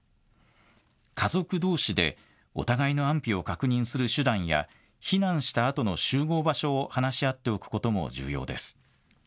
家族どうしでお互いの安否を確認する手段や避難したあとの集合場所を話し合っておくことも重要です。